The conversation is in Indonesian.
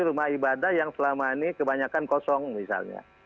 rumah ibadah yang selama ini kebanyakan kosong misalnya